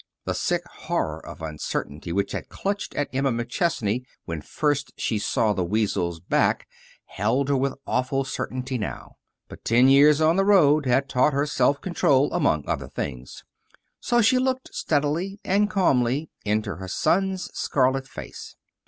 That sick horror of uncertainty which had clutched at Emma McChesney when first she saw the weasel's back held her with awful certainty now. But ten years on the road had taught her self control, among other things. So she looked steadily and calmly into her son's scarlet face.